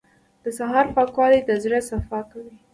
• د سهار پاکوالی د زړه صفا کوي.